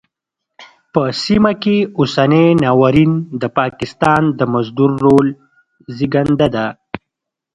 په سیمه کې اوسنی ناورین د پاکستان د مزدور رول زېږنده ده.